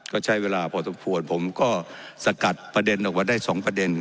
ก็ใช้เวลาพอสมควรผมก็สกัดประเด็นออกมาได้๒ประเด็น